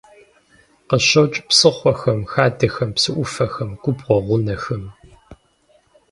Къыщокӏ псыхъуэхэм, хадэхэм, псыӏуфэхэм, губгъуэ гъунэхэм.